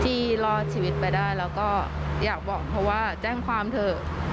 รอดชีวิตไปได้แล้วก็อยากบอกเพราะว่าแจ้งความเถอะ